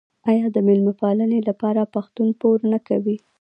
آیا د میلمه پالنې لپاره پښتون پور نه کوي؟